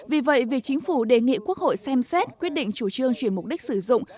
vì vậy việc chính phủ đề nghị quốc hội xem xét quyết định chủ trương chuyển mục đích sử dụng